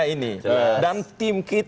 presiden karena argumennya ini